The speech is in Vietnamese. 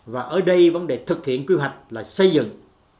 và ở đây vấn đề thực hiện quy hoạch là xây dựng